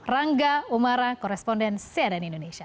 rangga umara koresponden cnn indonesia